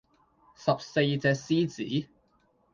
十四隻獅子